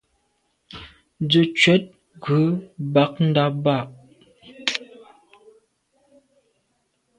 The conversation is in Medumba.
Nze ntshwèt ghù bag nda’ mbà.